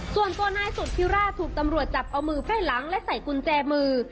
ส่วนตัวนายสุธิราชถูกตำรวจจับเอามือไฟ่หลังและใส่กุญแจมือ